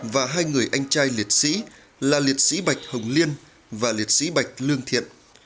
và hai người anh trai liệt sĩ là liệt sĩ bạch hồng liên và liệt sĩ bạch lương thiện